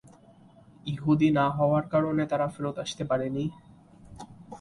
ইহুদি না হওয়ার কারণে তারা ফেরত আসতে পারেনি।